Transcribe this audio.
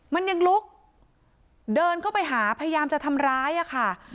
มันยังลุกเดินเข้าไปหาพยายามจะทำร้ายอะค่ะ